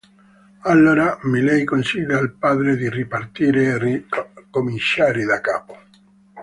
Allora Miley consiglia al padre di ripartire e ricominciare da capo.